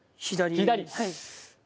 左！